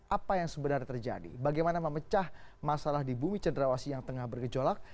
apa yang sebenarnya terjadi bagaimana memecah masalah di bumi cenderawasi yang tengah bergejolak